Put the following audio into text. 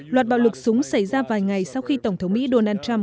loạt bạo lực súng xảy ra vài ngày sau khi tổng thống mỹ donald trump